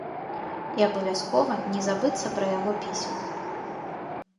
І абавязкова не забыцца пра яго пісьмы.